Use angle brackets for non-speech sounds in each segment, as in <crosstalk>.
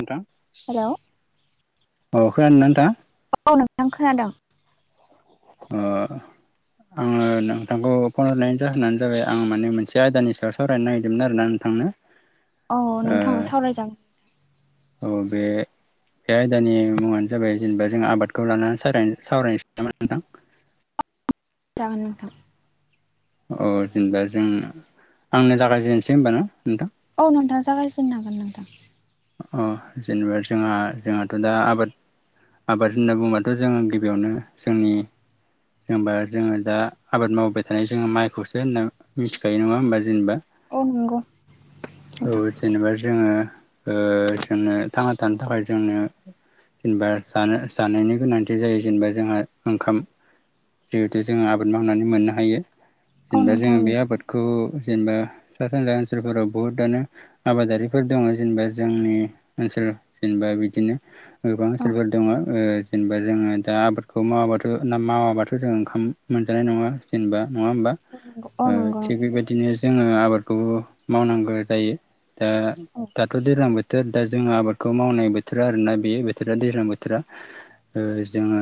नोंथां हेलौ अ‌ खोनादो‌ना नोंथाङा औ नोंथां खोनादों अ आङो नोंथांखौ‌ फन‌ हरनायनि‌ जाहोनानो जाबाय आं मे मोनसे आयदानि सायाव सावरायनो नागिरदोंमोन आरोना नोंथांनो अ ओ नोंथां सावरायजागोन औ बे बे आयदानि मुङानो जाबाय जेनेबा जों आबादखौ लानानै सावरायनो सावरायनोसै नामा नोंथां <inaudible> जागोन नोंथां अ जेनेबा जों आंनो जागायजेननोसै होमबा ना नोंथां औ नोंथां जागायजेननो हागोन नोंथां अह जेनेबा जोंहा जोंहाथ दा आबाद आबाद होनना बुङोबाथ जोङो गिबियावनो जोंनि जेनबा जोङो दा आबाद मावबाय थानाय जोङो माइखौसो होनना मिथिखायो नङा होमबा जेनेबा औ नंगौ औ नोंथां जेनेबा जोङो ओ जोंनो थांना थानो थाखाय जोंनो जेनेबा जानो जानायनि गोनांथि जायो जेनेबा जोंहा ओंखाम जिहेथु जोङो आबाद मावनानै मोननो हायो औ जेनेबा नोंथां जोङो बे नंगौ आबादखौ जेनेबा सा सानजा ओनसोलफोराव बुहुतआनो आबादारिफोर दङ जेनेबा जोंनि ओनसोल जेनेबा बिदिनो गोबां ओनसोलफोर दङ ओ जेनेबा जोङो दा आबादखौ मावाबाथ ना मावाबाथ जों ओंखाम मोनजानाय नङा जेनेबा नङा होमबा औ ओ नंगौ थिग बेबायदिनो जोङो ओ आबादखौ मावनांगौ जायो ओ औ दाथ दैज्लां बोथोर दा जोंङो आबादखौ मावनाय बोथोर आरोना बेयो बोथोरा दैज्लां बोथोरा ओ जोङो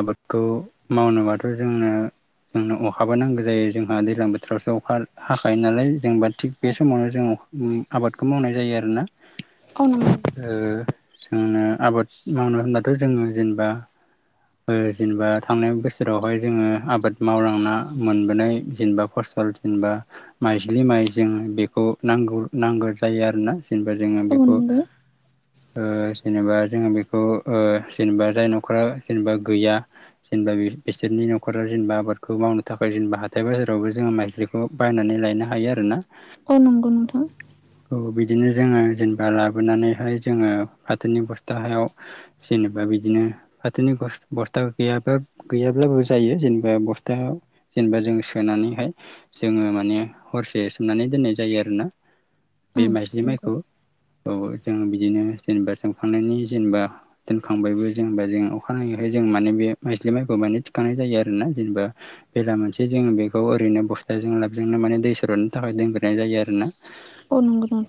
आबादखौ मावनोबाथ जोंनो जोंनो अखाबो नांगौ जायो जोंहा दैज्लां बोथोरावसो अखा हाखायो नालाय जेनेबा थिग बे समावनो जोंङो आबादखौ मावनाय जायो आरोना ओ जोंनो आबाद मावनो होनबाथ‌ जोङो जेनेबा ओ जेनेबा थांनाय बोसोरावहाय जोङो आबाद मावलांना मोनबोनाय जेनेबा फस सल जेनेबा माइज्लि माइ जों बेखौ नांगौ नांगौ जायो आरो ना जेनेबा जोङो बेखौ ओ जेनेबा जोङो बेखौ ओ जेनेबा जाय नखरा जेनेबा गैया जेनेबा बिसोरनि नखरा जेनेबा आबादखौ मावनो थाखाय जेनेबा हाथाय बाजारावबो जोङो माइज्लिखौ बायनानै लायनो हा हायो आरो ना औ नंगौ नोंथां बिदिनो जोङो जेनेबा लाबोनानैहाय जोङो फाथोनि बस्थाहायाव जेनेबा बिदिनो फाथोनि बस बस्था गैयाब्रा गैयाब्लाबो जायो जेनेबा बस्था जेनेबा जों सोनानैहाय जोङो माने हरसे सोमनानै दोननाय जायो आरोना औ बे माइज्लि माइखौ नंगौ औ जों बिदिनो जेनेबा सोमखांनायनि जेनेबा दोनखांबायबो जेनेबा जों अखानायैहाय जों माने बे माइज्लि माइखौ माने थिखांनाय जायो आरोना जेनेबा बेलामोनसे जोङो बेखौ ओरैनो बस्थाजों लाबजोंनोमाने दै सरनाय थाखाय दोनग्रोनाय जायो आरोना अ नंगौ नों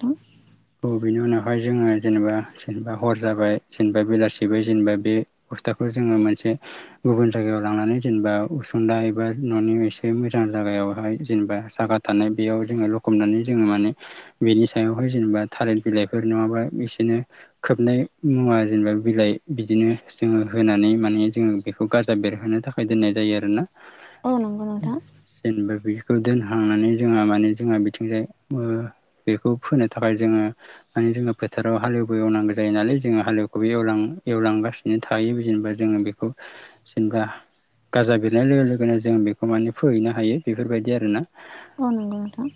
औ बेनि उनाव हाय जोङो जेनेबा जेनेबा हर जाबाय जेनेबा बेलासेबाय जेनेबा बे बस्थाखौ जोङो मोनसे गुबुन जायगायाव लांनानै जेनेबा उसुंदा एबा न'नि एसे मोजां जायगायावहाय जेने सागा थानाय बेयाव जोङो लखबनानै जोङो माने इ सायावहाय जेनेबा थालिर बिलाइफोर नङाबा बिसोरनो खोबनाय मुवा जेनेबा बिलाइ बिदि बिदिनो जोङो होनानै माने जोङो बेखौ गाजा बेरहोनो थाखाय दोननाय जायो आरोना। औ नंगौ नोंथां जेनेबा बेखौ दोनहांनानै जोंहा माने जोंहा बिथिंजाय बेखौ फोनो थाखाय जोङो माने जोङो फोथाराव हालेवबो एवनांगौ जायो नालाय जोङो हालेवखबो एवलां एवलां थगासिनो थायो जेनेबा जोङो बेखौ जेनेबा गाजा बिरनाय लोगो लोगोनो जों बेखौ माने फोहैनो हायो बेफोरबायदि आरोना। अ नंगौ नोंथां।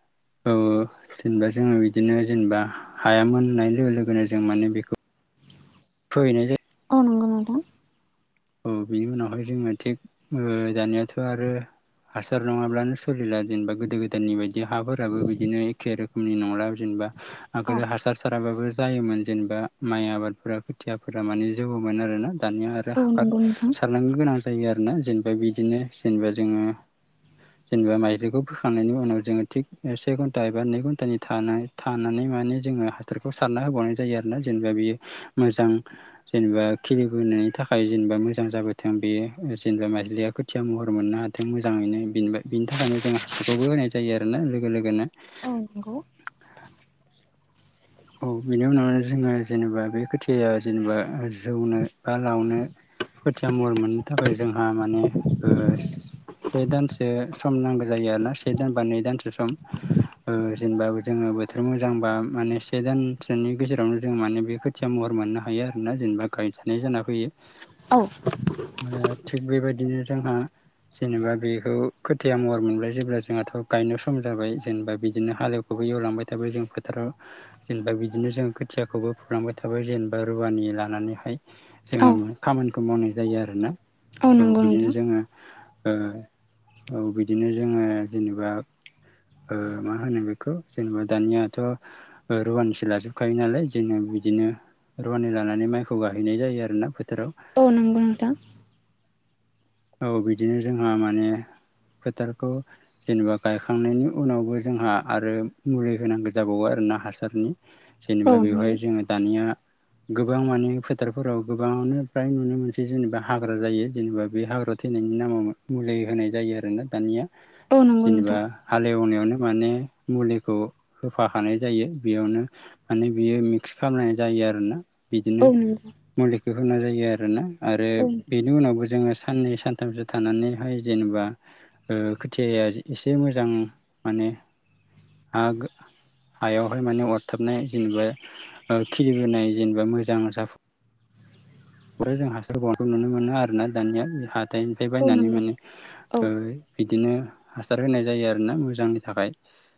<inaudible> औ जेनेबा जोङो बिदिनो जेनेबा हाया मोननाय लोगो लोगोनो जों माने बेखौ <unintelligible> औ नंगौ नोंथां। औ बिनि उनावहाय जोङो थिग दानायाथ' आरो हासार नङाब्लानो सोलिला जेनेबा गोदो गोदायनि बायदि हाफोराबो बिदिनो एखे रोखोमनि नंला जेनबा औ आगोल हासार साराबाबो जायोमोन जेनेबा माइ आबादफोरा खोथियाफोरा माने जौवोन आरोना। दानिया आरो औ हा नंगौ नोंथां सारनांगौ गोनां जायो आरोना। जेनेबा बिदिनो जेनेबा जोङो जेनेबा माइलिखौ फोखांनायनि उनाव जोङो थिग से घन्टा एबा नै घन्टानि थाना थानानै मानि जोङो हासारखौ होबावनाय जायो आरोना जेनेबा बेयो मोजां जेनेबा खि नि थाखाय <unintelligible> मोजां जाबोथों बेयो जेनेबा माइज्लिया खोथिया महर मोननो हाथों मोजाङैनो बिनि थाखायनो बेखौबो होनाय जायो आरोना। लोगो लोगोनो औ नंगौ। औ बिनि उनावनो जोङो जेनेबा बे खोथिया जेनेबा जौनो बा लावनो खोथिया महर मोननो थाखाय जोंहा माने ओ से दानसो सम नांगौ जायो आरोना। से दान बा नै दानसो सम ओ जेनेबा जोङो बोथोर मोजांबा मा से दानसोनि गेजेरावनो जों माने बे खोथिया महर मोननो हायो आरोना जेनेबा गायजानाय जाना फैयो। औ थिग बेबायदिनो जोंहा जेनेबा बेखौ खोथिया महर मोनबाय जेब्ला जोंहाथ' गायनो सम जाबाय जेनेबा बिदिनो हालेवखौबो एवलांबाय थाबाय जों फोथाराव जेनेबा बिदिनो जों खोथियाखौबो फुलांबाय थाबाय जेनेबा रुवानि लानानैहाय। औ जोङो खामानिखौ मावनाय जायो आरोना। औ नंगौ बिदिनो नोंथां जोङो ओ औ बिदिनो जोङो जेनेबा ओ मा होनो बेखौ जेनेबा दानियाथ' रुवानिसो लाजोबखायो नालाय जोङो बिदिनो रुवानि लानानै माइखौ गायहोनाय जायो आरो। औ नंगौ नोंथां। औ बिदिनो जोंहा माने फोथारखौ जेनेबा गायखांनायनि उनावबो जोंहा आरो मुलि होनांगौ जाबावो आरो। ना हासारनि औ जेनेबा बेवहाय नंगौ जोङो दानि गोबां मानि फोथारफोराव गोबाङानो फ्राय नुनो मोनसै जेनेबा हाग्रा जायो जेनेबा बे हाग्रा थैनायनि नामाव मुलि होनाय जायो आरोना। दानिया औ नंगौ जेनेबा नोंथां हालनायाव माने मुलिखौ होफाखानाय जायो बेयावनो माने बियो मिक्स खालामनाय जायो। यो आरो ना। बिदिनो औ नंगौ औ मुलिखौ होनाय जायो आरोना आरो नोंथां बेनि उनावबो जोङो साननैसो सानथामसो थानानैहाय जेनेबा ओ खोथियाया एसे मोजां माने आग हायावहाय माने अरथाबनाय जेनेबा ओ खिलिबोनाय जेनेबा मोजां जाफु बे जों हासार बां नुनो मोनो आरोना दानिया हाथायनिनिफ्राय औ बायनानै नंगौ मानो नोंथां औ औ बिदिनो हासार होनाय जायो आरोना मोजांनि थाखाय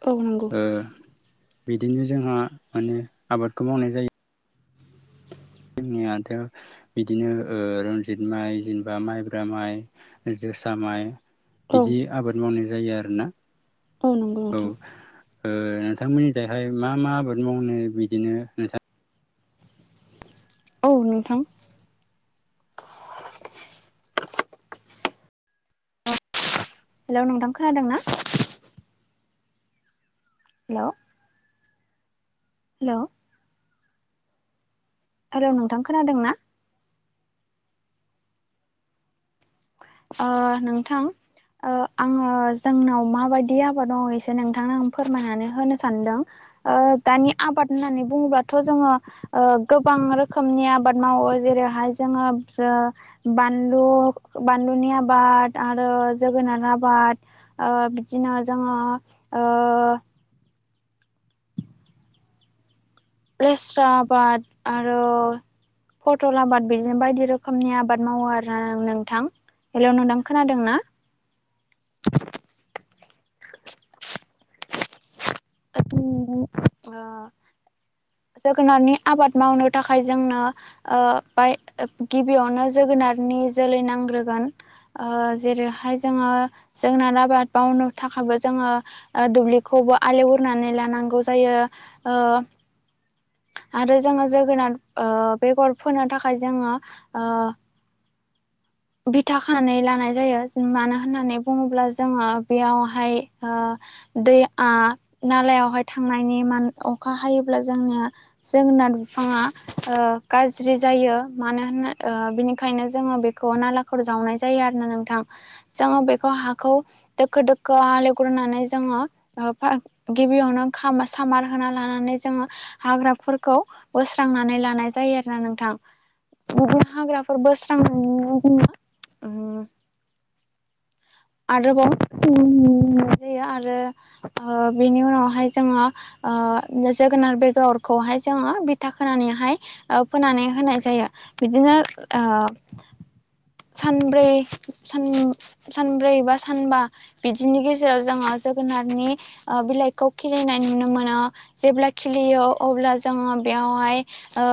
औ नंगौ बिदिनो जोंहा माने आबादखौ मावनाय जायो जोंनियाथ बिदिनो रनजित माइ जेनेबा माइब्रा माइ जोसा माइ औ बिदि आबाद मावनाय जायो आरोना औ नंगौ नोंथां ओ नोंथांमोननिजोंहाय मा मा आबाद मावनो बिदिनो नोंथां औ नोंथां हेलौ नोंथां खोनादों ना हेल' हेल' आरौ नोंथां खोनादों ना ओ नोंथां ओ आङो जोंनाव माबायदि आबाद मावो एसे नोंथांनो आं फोरमायनानै होनो सानदों ओ दानि आबाद होननानै बुङोब्लाथ' जोङो ओ गोबां रोखोमनि आबाद मावो जेरैहाय जोङो जो बानलु बानलुनि आबाद आरो जोगोनार आबाद ओ बिदिनो जोङो ओ लेस्रा आबाद आरो फटल आबाद बिदिनो बायदि रोखोमनि आबाद मावो आरो ना नोंथां हेलौ नोंथां खोनादों ना <inaudible> <unintelligible> जोगोनारनि आबाद मावनो थाखाय जोंनो ओ बाय गिबियावनो जों जोगोननि जोलै नांग्रोगोन जेरैहाय जोङो आबाद मावनो थाखायबो जोङो दुब्लिखौबो हाल एव फोनानै लानांगौ जायो ओ आरो जोङो जोगोनार ओ बेगर फोनो थाखाय जोङो ओ बिथा खानानै लानाय जायो मानो होननानै बुङोब्ला जोङो बेयावहाय ओ दै आ नालायावहाय थांनायनि अखा हायोब्ला जोंनिया जोंनि जोगोनार बिफाङा ओ गाज्रि जायो मानो होनना ओ बिनिखायनो जोङो नालाफोर जावनाय जायो आरोना नोंथां जोंङो बेखौ हाखौ दोखो दोखो हाल एवग्रो नानै जोङो ओ फा गिबियावनो खा सामारहोना लानानै जोङो हाग्राफोरखो खौ बोस्रांनानै लानाय जायो आरोना नोंथां गुबुन हाग्राफोर बोस्रां उम उम आरोबाव उम मोननाय जायो ओ आरो बेनि उनावहाय जोङो ओ जोगोनार बेगरखौहाय जोङो बिथा खोनानैहाय ओ फोनानै होनाय जायो बिदिनो ओ सानब्रै सान सानब्रै बा सानबा बिदिनि गेजेराव जोङो जोगोनारनि बिलाइखौ खिरिलिनायनि नुनो मोनो जेब्ला खिलियो अब्ला जोङो बेयावहाय ओ